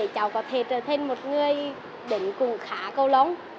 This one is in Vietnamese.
cháu có thể trở thành một người định cùng khá cẩu lông